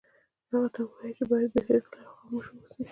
هغوی ته ووایه چې باید بیخي غلي او خاموشه واوسي